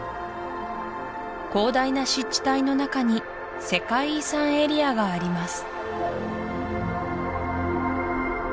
広大な湿地帯のなかに世界遺産エリアがあります